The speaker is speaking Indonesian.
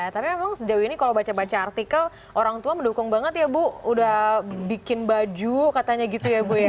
tapi memang sejauh ini kalau baca baca artikel orang tua mendukung banget ya bu udah bikin baju katanya gitu ya bu ya